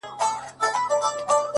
زموږ څه ژوند واخله-